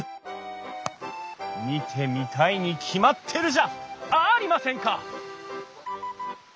見てみたいに決まってるじゃありませんか！